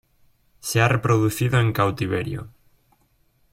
Se ha reproducido en cautiverio.